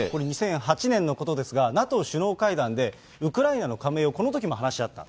これ、２００８年のことですが、ＮＡＴＯ首脳会談で、ウクライナの加盟をこのときも話し合った。